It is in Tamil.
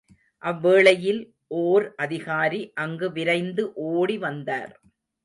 அவ்வேளையில் ஓர் அதிகாரி அங்கு விரைந்து ஓடிவந்தார்.